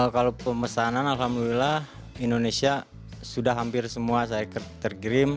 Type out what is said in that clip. kalau pemesanan alhamdulillah indonesia sudah hampir semua saya terkirim